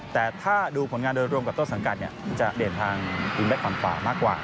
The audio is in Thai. แต่ถ้าดูผลงานโดยรวมกับต้นสังกัดจะเด่นทางทีมแบ็คขวามขวามากกว่า